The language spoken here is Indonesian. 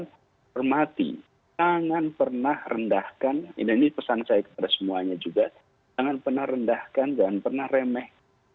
dan hormati jangan pernah rendahkan ini pesan saya kepada semuanya juga jangan pernah rendahkan jangan pernah remeh